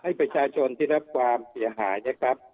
ให้ประชาชนที่รับความเสียหายนะครับ